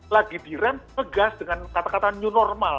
lagi direm ngegas dengan kata kata new normal